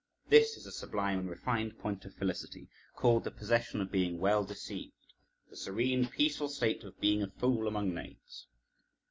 This is the sublime and refined point of felicity called the possession of being well deceived, the serene peaceful state of being a fool among knaves.